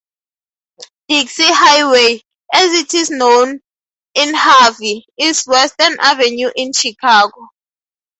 Dixie Highway, as it is known in Harvey, is Western Avenue in Chicago.